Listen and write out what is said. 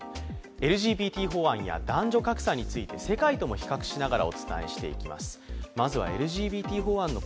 ＬＧＢＴ法案や男女格差について世界とも比較しながらお伝えしていきます。